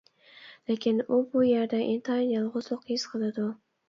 لېكىن ئۇ بۇ يەردە ئىنتايىن يالغۇزلۇق ھېس قىلىدۇ.